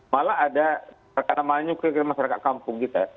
malah ada rekan rekan menyukai masyarakat kampung kita